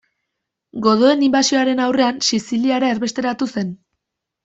Godoen inbasioaren aurrean Siziliara erbesteratu zen.